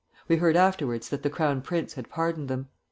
We heard afterwards that the Crown Prince had pardoned them.